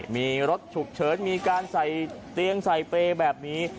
มีรถฉุกเฉินมีการใส่เตียงใส่เปรย์แบบนี้